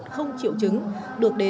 không chịu dịch